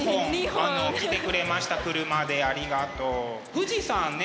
富士山ね